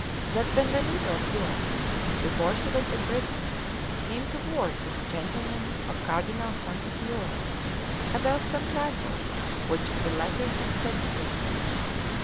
That Benvenuto of yours, before he was imprisoned, came to words with a gentleman of Cardinal Santa Fiore, about some trifle which the latter had said to him.